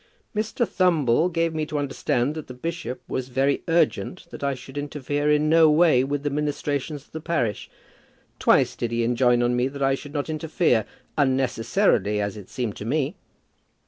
"Mr. Thumble gave me to understand that the bishop was very urgent that I should interfere in no way in the ministrations of the parish. Twice did he enjoin on me that I should not interfere, unnecessarily, as it seemed to me."